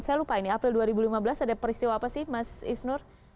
saya lupa ini april dua ribu lima belas ada peristiwa apa sih mas isnur